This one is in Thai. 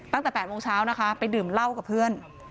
ตั้งแต่๘โมงเช้านะคะไปดื่มเหล้ากับเพื่อน